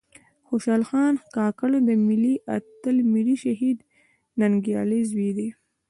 خوشال خان کاکړ د ملي آتل ملي شهيد ننګيالي ﺯوې دې